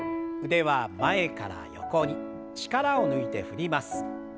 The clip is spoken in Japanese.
腕は前から横に力を抜いて振ります。